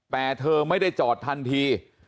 แต่เธอไม่ได้จอดทันที